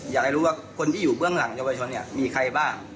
อยากให้รู้ว่าคนที่อยู่เบื้องหลังเยาวชนเนี่ยมีใครบ้าง